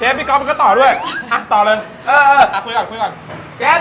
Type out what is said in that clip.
ฮะเออเออคุยก่อนพร้อมเลยเค้าพูดก่อน